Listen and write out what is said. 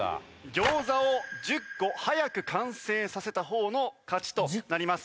餃子を１０個早く完成させた方の勝ちとなります。